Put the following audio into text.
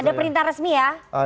ada perintah resmi ya